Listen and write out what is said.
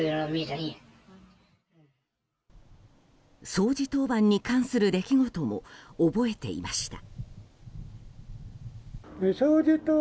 掃除当番に関する出来事も覚えていました。